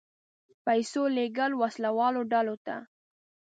پیسو لېږل وسله والو ډلو ته.